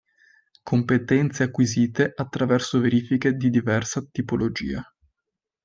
Competenze acquisite attraverso verifiche di diversa tipologia.